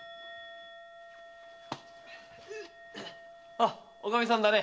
あおかみさんだね？